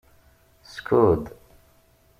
Skud.